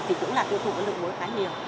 thì cũng là tiêu thụ vấn đề muối khá nhiều